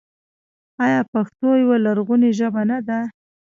آیا پښتو یوه لرغونې ژبه نه ده؟